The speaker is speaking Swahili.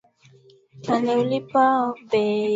Maji yetu na bahari ni muhimu katika maisha yetu